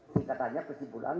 kita tanya kesimpulan